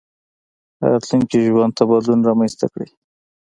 راتلونکي ژوند ته بدلون رامنځته کړئ.